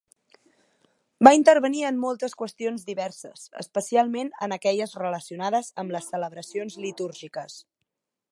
Va intervenir en moltes qüestions diverses especialment en aquelles relacionades amb les celebracions litúrgiques.